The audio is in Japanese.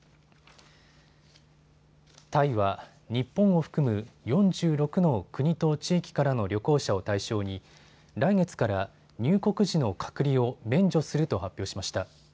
タイは日本を含む４６の国と地域からの旅行者を対象に来月から入国時の隔離を免除すると発表しました。